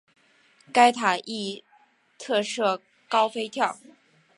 该塔亦特设高飞跳。